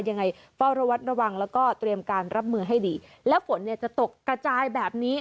ยังไงเฝ้าระวัดระวังแล้วก็เตรียมการรับมือให้ดีแล้วฝนเนี่ยจะตกกระจายแบบนี้